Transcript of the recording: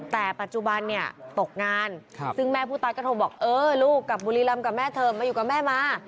แต่ปัจจุบันเนี่ยตกงานซึ่งแม่ผู้ตายก็โทรบอกเออลูกกลับบุรีรำกับแม่เธอมาอยู่กับแม่มา